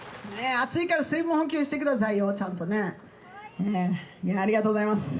暑いから水分補給してくださいよちゃんとねいやありがとうございます